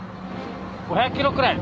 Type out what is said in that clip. ５００キロくらい！